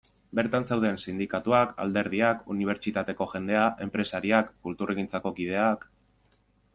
Bertan zeuden sindikatuak, alderdiak, unibertsitateko jendea, enpresariak, kulturgintzako kideak...